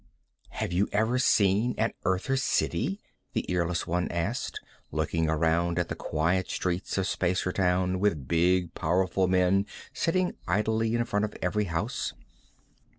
"Have you ever seen an Earther city?" the earless one asked, looking around at the quiet streets of Spacertown with big powerful men sitting idly in front of every house.